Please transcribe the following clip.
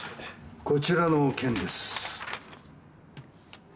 こちらの件です。